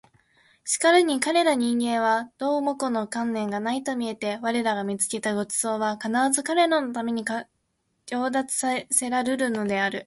しかるに彼等人間は毫もこの観念がないと見えて我等が見付けた御馳走は必ず彼等のために掠奪せらるるのである